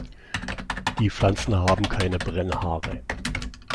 Die Pflanzen haben keine Brennhaare.